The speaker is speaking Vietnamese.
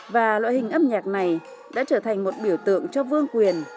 và loại hình âm nhạc này đã trở thành một biểu tượng cho vương quyền